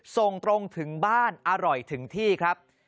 ส่งตรงถึงบ้านอร่อยถึงที่ครับ